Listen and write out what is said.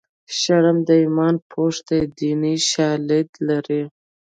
شرم د ایمان پوښ دی دیني شالید لري